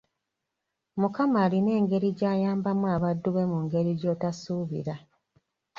Mukama alina engeri gy'ayambamu abaddu be mu ngeri gy'otosuubira.